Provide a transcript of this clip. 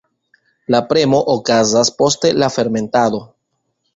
La premo okazas poste la fermentado.